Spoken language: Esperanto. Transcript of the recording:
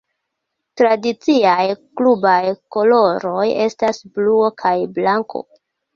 Tradiciaj klubaj koloroj estas bluo kaj blanko.